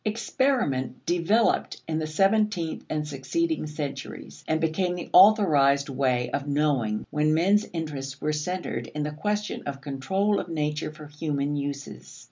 Experiment developed in the seventeenth and succeeding centuries and became the authorized way of knowing when men's interests were centered in the question of control of nature for human uses.